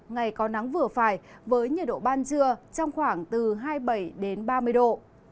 ngày có nắng vừa phải với nhiệt độ ban trưa trong khoảng từ hai mươi bảy ba mươi độ